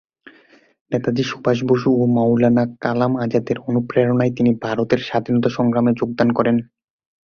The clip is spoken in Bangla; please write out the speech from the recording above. নেতাজি সুভাষ বসু ও মৌলানা কালাম আজাদের অনুপ্রেরণায় তিনি ভারতের স্বাধীনতা সংগ্রামে যোগদান করেন।